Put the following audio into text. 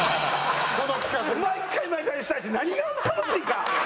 毎回毎回下やし何が楽しいんか！